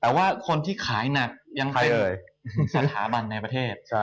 แต่ว่าคนที่ขายหนักยังไปเลยสถาบันในประเทศ